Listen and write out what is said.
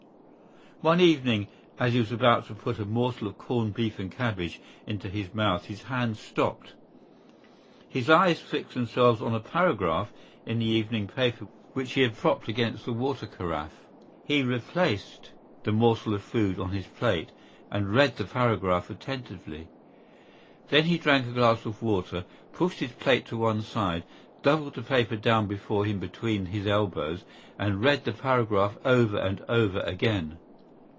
One evening as he was about to put a morsel of corned beef and cabbage into his mouth his hand stopped. His eyes fixed themselves on a paragraph in the evening paper which he had propped against the water carafe. He replaced the morsel of food on his plate and read the paragraph attentively. Then he drank a glass of water, pushed his plate to one side, doubled the paper down before him between his elbows and read the paragraph over and over again.